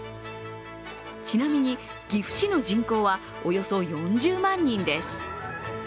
ちなみに岐阜市の人口はおよそ４０万人です。